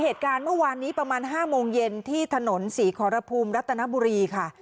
เหตุการณ์เมื่อวานนี้ประมาณ๕โมงเย็นที่ถนนศรีขอรภูมิรัตนบุรีค่ะ